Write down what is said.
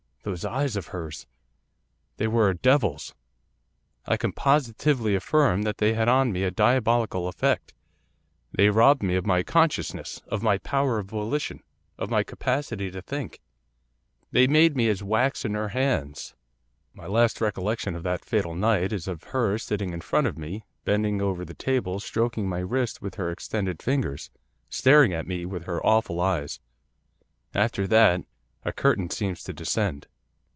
Those eyes of hers! They were a devil's. I can positively affirm that they had on me a diabolical effect. They robbed me of my consciousness, of my power of volition, of my capacity to think, they made me as wax in her hands. My last recollection of that fatal night is of her sitting in front of me, bending over the table, stroking my wrist with her extended fingers, staring at me with her awful eyes. After that, a curtain seems to descend.